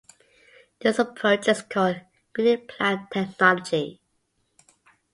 This approach is called miniplant technology.